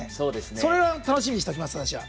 それを楽しみにしておきます。